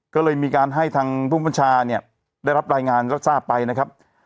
ก็เลยมีการให้ทางผู้บัญชาการเนี่ยได้รับรายงานรับทราบไปนะครับ